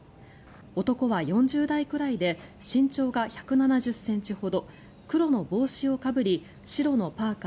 男は４０代くらいで身長が１７０ｃｍほど黒の帽子をかぶり白のパーカ